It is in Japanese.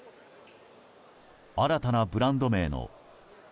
新たなブランド名の。